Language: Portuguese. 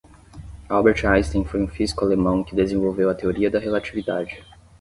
Albert Einstein foi um físico alemão que desenvolveu a Teoria da Relatividade.